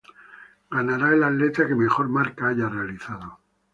Ganará el atleta que mejor marca haya realizado.